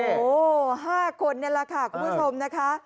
โอ้โห๕คนนี่แหละค่ะคุณผู้ชมนะคะ